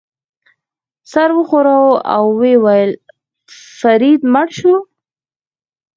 سر وښوراوه، ویې ویل: فرید مړ شو.